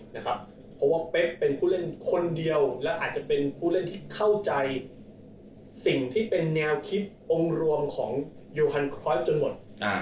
เพราะว่าเป๊กเป็นผู้เล่นคนเดียวและอาจจะเป็นผู้เล่นที่เข้าใจสิ่งที่เป็นแนวคิดองค์รวมของโยฮันครอสจนหมด